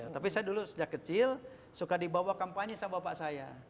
tapi saya dulu sejak kecil suka dibawa kampanye sama bapak saya